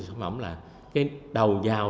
sản phẩm là cái đầu giàu